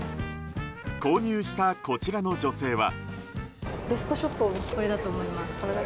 購入した、こちらの女性は。